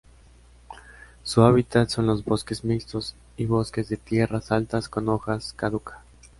Su hábitat son los bosques mixtos y bosques de tierras altas con hojas caduca.